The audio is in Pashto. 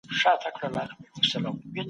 د ميرويس خان نيکه پوځي روزنه چېرته سوې وه؟